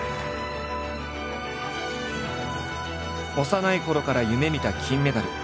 幼いころから夢みた金メダル。